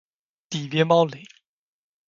底边猫雷！